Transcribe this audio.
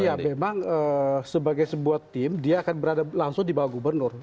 ya memang sebagai sebuah tim dia akan berada langsung di bawah gubernur